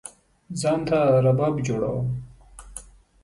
ځان ته رباب جوړوم